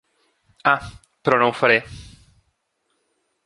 Ah, però no ho faré.